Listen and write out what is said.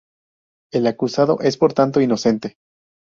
El acusado es, por tanto, inocente.